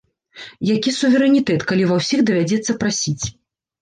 Які суверэнітэт, калі ва ўсіх давядзецца прасіць?!